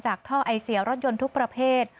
ท่อไอเสียรถยนต์ทุกประเภท